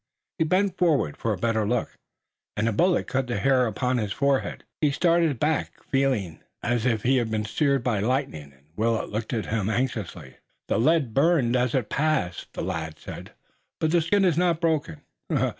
He bent forward for a better look, and a bullet cut the hair upon his forehead. He started back, feeling as if he had been seared by lightning and Willet looked at him anxiously. "The lead burned as it passed," the lad said, "but the skin is not broken.